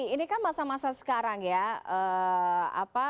ini kan masa masa sekarang ya